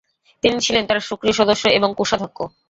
তিনি ছিলেন তার সক্রিয় সদস্য এবং কোষাধ্যক্ষ।